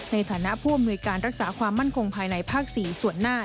ในฐานะผู้อำนวยการรักษาความมั่นคงภายในภาค๔ส่วนหน้า